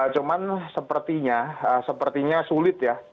cuman sepertinya sepertinya sulit ya